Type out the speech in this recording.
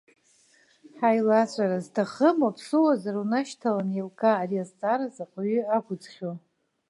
Ҳаилаҵәара зҭахым, уаԥсыуазар, унашьҭалан еилкаа ари азҵаара заҟаҩы ақәӡхьоу.